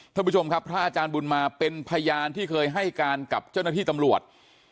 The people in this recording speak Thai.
ท่านผู้ชมครับพระอาจารย์บุญมาเป็นพยานที่เคยให้การกับเจ้าหน้าที่ตำรวจ